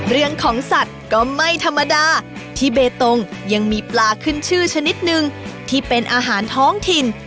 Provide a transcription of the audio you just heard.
เรื่องของสัตว์ก็ไม่ธรรมดาที่เบตงยังมีปลาขึ้นชื่อชนิดนึงที่เป็นอาหารท้องถิ่น